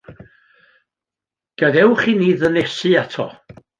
Gadewch i ni ddynesu ato.